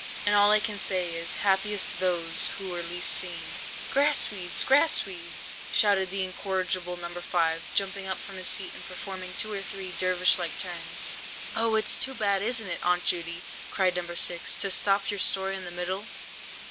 And all I can say is, happiest those who were least seen!" "Grass weeds! grass weeds!" shouted the incorrigible No. 5, jumping up from his seat and performing two or three Dervish like turns. "Oh, it's too bad, isn't it, Aunt Judy," cried No. 6, "to stop your story in the middle?"